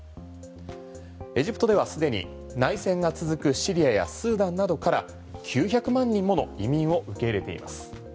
エジプトでは既に、内戦が続くシリアやスーダンなどから９００万人もの移民を受け入れています。